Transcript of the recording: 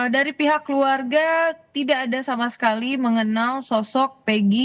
dari pihak keluarga tidak ada sama sekali mengenal sosok peggy